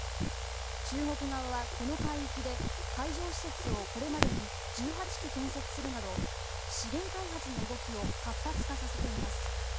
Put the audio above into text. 中国側はこの海域で海上施設をこれまでに１８基建設するなど資源開発の動きを活発化させています。